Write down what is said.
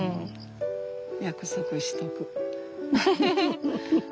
約束しとく。